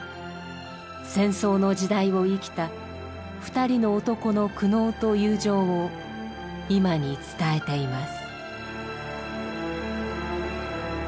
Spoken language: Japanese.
戦争の時代を生きた２人の男の苦悩と友情を今に伝えています。